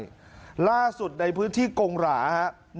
ดราสุทธิ์ในพื้นที่กงหราครับ